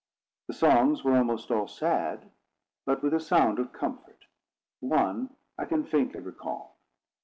The songs were almost all sad, but with a sound of comfort. One I can faintly recall.